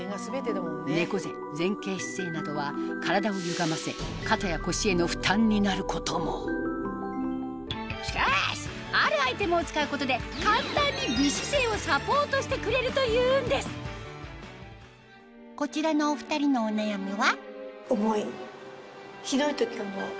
猫背前傾姿勢などは体をゆがませ肩や腰への負担になることもしかしあるアイテムを使うことでしてくれるというんですこちらのお二人のお悩みは？